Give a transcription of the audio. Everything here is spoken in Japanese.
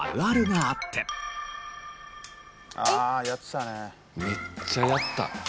めっちゃやった。